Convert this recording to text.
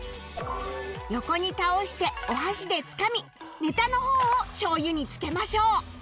横に倒してお箸でつかみネタの方をしょう油につけましょう